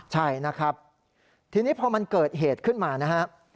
ใช่นะครับทีนี้พอมันเกิดเหตุขึ้นมานะฮะ